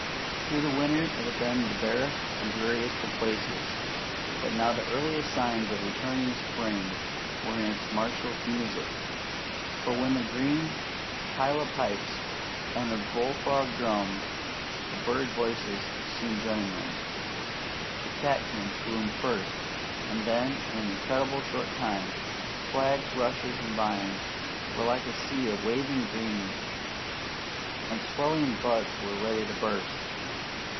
Through the winter it had been the barest and dreariest of places; but now the earliest signs of returning spring were in its martial music, for when the green hyla pipes, and the bullfrog drums, the bird voices soon join them. The catkins bloomed first; and then, in an incredibly short time, flags, rushes, and vines were like a sea of waving green, and swelling buds were ready to burst.